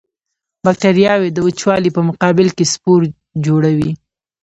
بکټریاوې د وچوالي په مقابل کې سپور جوړوي.